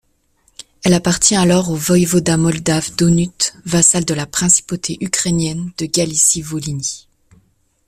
Elle appartient alors au voïvodat moldave d'Onut vassal de la principauté ukrainienne de Galicie-Volhynie.